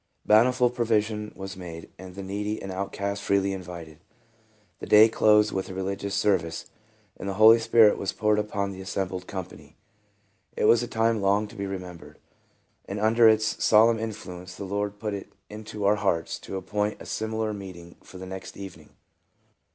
Bountiful provision was made, and the needy and outcast freely invi ted. The day closed with a religious service, and the Holy Spirit was poured upon the as sembled company. It was a time long to be remembered; and under its solemn influence the Lord put it into our hearts to appoint a similar meeting for the next evening.